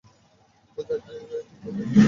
পূজা, এ কী করলে তুমি?